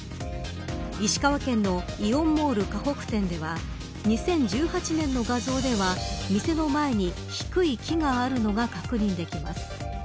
石川県のイオンモールかほく店では２０１８年の画像では店の前に低い木があるのが確認できます。